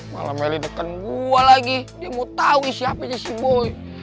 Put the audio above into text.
malah meli deken gue lagi dia mau tau isi hpnya si boy